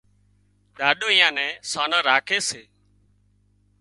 ڏاڏو ايئان نين سانان راکي سي